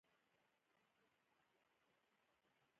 انډریو ډاټ باس وویل